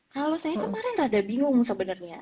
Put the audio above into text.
kalau saya kemarin rada bingung sebenarnya